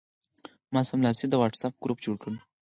ما سملاسي د وټساپ ګروپ جوړ کړ.